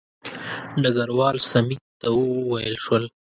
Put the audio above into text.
ډګروال سمیت ته وویل شو.